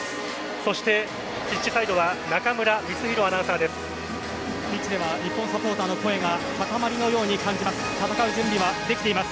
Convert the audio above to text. そしてピッチサイドは中村光宏アナウンサーです。